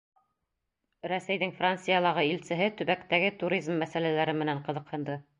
Рәсәйҙең Франциялағы илсеһе төбәктәге туризм мәсьәләләре менән ҡыҙыҡһынды.